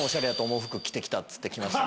っつって来ました。